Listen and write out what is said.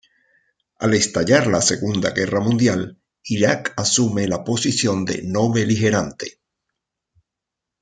Al estallar la Segunda Guerra Mundial, Irak asume la posición de no-beligerante.